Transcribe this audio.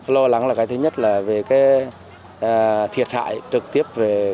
lo lắng là cái thứ nhất là về cái thiệt hại trực tiếp